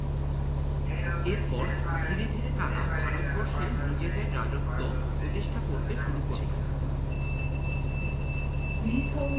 এরপর ধীরে ধীরে তারা ভারতবর্ষে নিজেদের রাজত্ব প্রতিষ্ঠা করতে শুরু করেছিল।